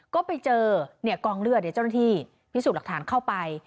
ก็ไปเจอกองเลือดเจ้าหน้าที่พิสูจน์หลักฐานเข้าไป